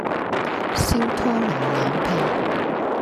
燒托羅腩皮